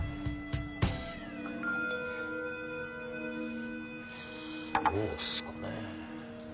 そうっすかね。